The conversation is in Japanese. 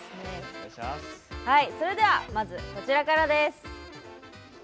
それではまずこちらから。